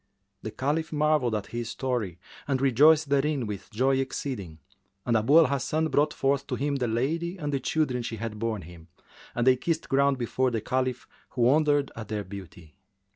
The Caliph marvelled at his story and rejoiced therein with joy exceeding: and Abu al Hasan brought forth to him the lady and the children she had borne him, and they kissed ground before the Caliph, who wondered at their beauty.